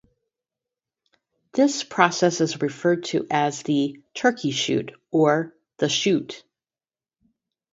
This process is referred to as the "turkey shoot" or the "shoot".